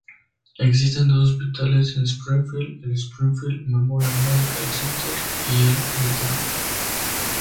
Existen dos hospitales en Springfield, el Springfield Memorial Medical Center y el St.